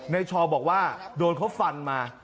ชอบอกว่าโดนเขาฟันมา